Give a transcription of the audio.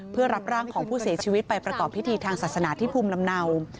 เพื่อรับร่างของผู้เสียชีวิตไปประกอบพิธีทางศาสนาที่ภูมิลำเนา